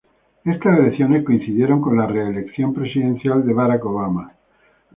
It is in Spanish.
Estas elecciones coincidieron con la reelección presidencial de Barack Obama.